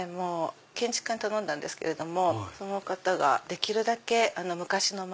建築家に頼んだんですけどもその方ができるだけ昔のまま。